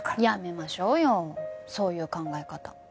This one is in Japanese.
やめましょうよそういう考え方。